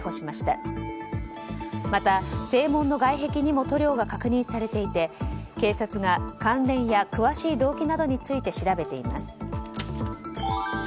また、正門の外壁にも塗料が確認されていて警察が関連や詳しい動機などについて調べています。